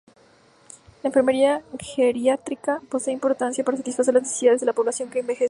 La enfermería geriátrica posee importancia para satisfacer las necesidades de la población que envejece.